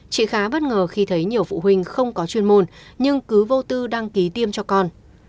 chị khá bất ngờ khi thấy nhiều phụ huynh không có chuyên môn nhưng cứ vô tư đăng ký tiêm cho con